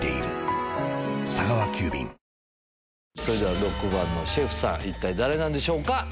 それでは６番のシェフさん一体誰なんでしょうか？